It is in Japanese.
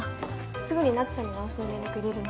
すぐにナツさんに直しの連絡入れるね。